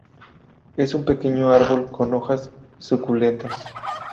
Es un pequeño árbol con hojas suculentas.